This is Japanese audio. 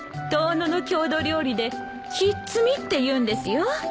遠野の郷土料理でひっつみっていうんですよ。